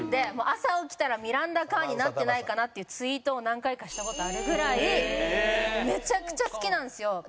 「朝起きたらミランダ・カーになってないかな」っていうツイートを何回かした事あるぐらいめちゃくちゃ好きなんですよ。